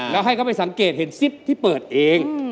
แล้วให้เขาไปสังเกตเห็นซิปที่เปิดเอง